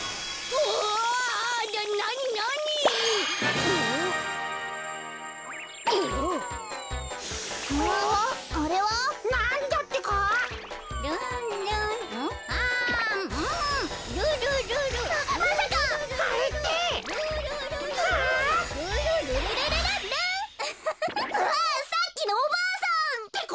うわさっきのおばあさん！ってことはやっぱり。